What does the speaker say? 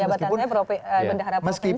ya jabatannya pendahara provinsi